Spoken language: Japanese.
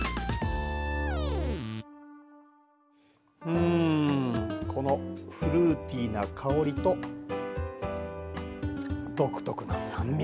んこのフルーティーな香りと独特の酸味！